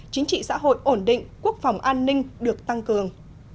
chính trị xã hội ổn định quốc phòng an ninh được tăng cường